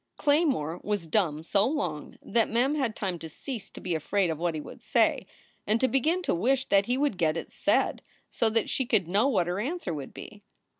Claymore was dumb so long that Mem had time to cease to be afraid of what he would say, and to begin to wish that he would get it said, so that she could know what her answer would be.